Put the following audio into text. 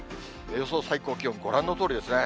予想最高気温、ご覧のとおりですね。